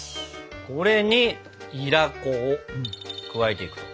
これにいら粉を加えていく。